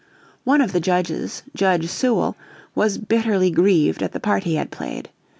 One of the judges, Judge Sewall, was bitterly grieved at the part he had played.